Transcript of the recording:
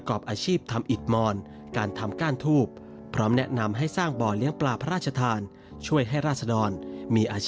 ก็คิดถึงท่านน่ะท่านเคยมาอะไรอย่างนี้